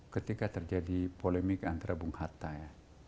ketika terjadi polemik antara bung hatta ya